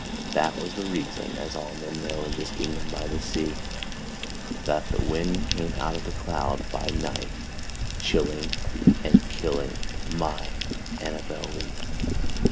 that was the reason (as all men know, In this kingdom by the sea) That the wind came out of the cloud by night, Chilling and killing my ANNABEL LEE.